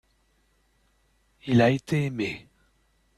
Il a été aimé.